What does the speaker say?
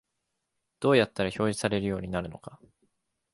どうやったら表示されるようになるのか